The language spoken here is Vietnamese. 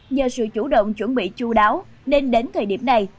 nhờ sự chủ động chuẩn bị chú đáo nên đến thời điểm này